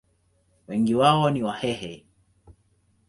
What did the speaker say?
Wengi wao ni Wahehe.